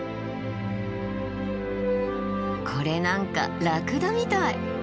これなんかラクダみたい。